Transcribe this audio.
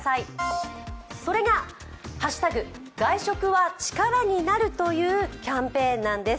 それが「＃外食はチカラになる」というキャンペーンなんです。